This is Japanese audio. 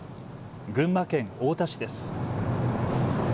群馬県太田市です。